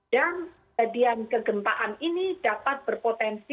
dan kejadian kegempaan ini dapat berpotensi